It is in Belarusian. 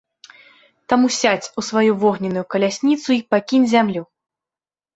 Таму сядзь у сваю вогненную калясніцу й пакінь зямлю!